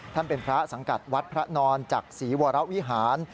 ท่านเป็นพระสังกัดวัดพระนอนจากศรีวรวิหาร